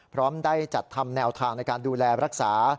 พร้อมได้จัดทำแนวทางในการดูแลรักษา